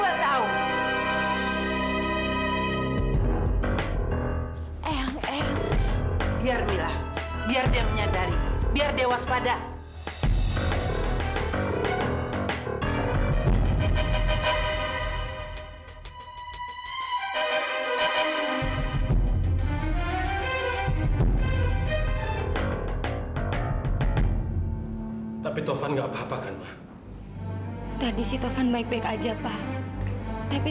atau penjenguk atau